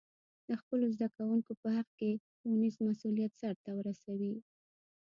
د خپلو زده کوونکو په حق کې ښوونیز مسؤلیت سرته ورسوي.